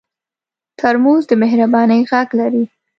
ترموز د مهربانۍ غږ لري.